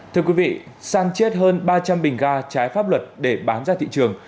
thưa quý vị săn chết hơn ba trăm linh bình ga trái pháp luật để bán ra thị trường